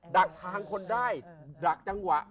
ดักทางคนได้ดักจังหวะ